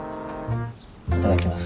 いただきます。